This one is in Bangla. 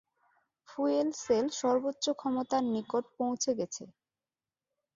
ফুয়েল সেল সর্বোচ্চ ক্ষমতার নিকট পৌঁছে গেছে।